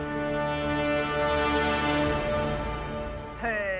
へえ！